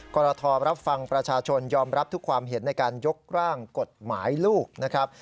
กรทรับฟังประชาชนยอมรับทุกความเห็นในการยกร่างกฎหมายลูกนะครับ